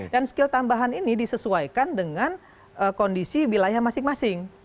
skill tambahan ini disesuaikan dengan kondisi wilayah masing masing